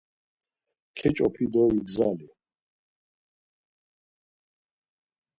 Keç̌opi do igzali.